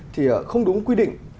thì không đúng quy định